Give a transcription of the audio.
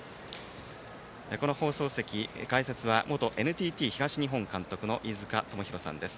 この放送席、解説は元ＮＴＴ東日本監督の飯塚智広さんです。